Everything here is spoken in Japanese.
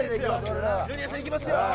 俺らはジュニアさんいきますよ